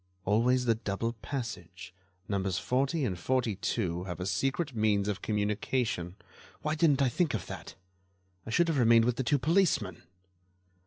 "Always the double passage—numbers 40 and 42 have a secret means of communication. Why didn't I think of that? I should have remained with the two policemen."